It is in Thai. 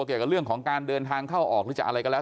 เกี่ยวกับเรื่องของการเดินทางเข้าออกหรือจะอะไรก็แล้ว